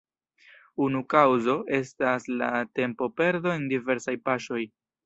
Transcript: Unu kaŭzo estas la tempoperdo en diversaj paŝoj.